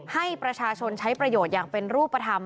ให้ประชาชนใช้ประโยชน์อย่างเป็นรูปธรรม